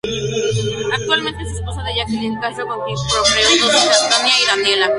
Actualmente su esposa es Jacqueline Castro, con quien procreó dos hijas: Tanya y Daniela.